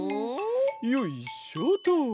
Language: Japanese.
よいしょと。